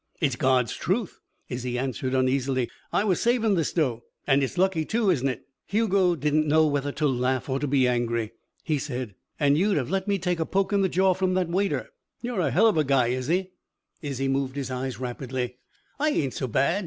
"It's God's truth," Izzie answered uneasily. "I was savin' this dough an' it's lucky, too, isn't it?" Hugo did not know whether to laugh or to be angry. He said: "And you'd have let me take a poke in the jaw from that waiter. You're a hell of a guy, Izzie." Izzie moved his eyes rapidly. "I ain't so bad.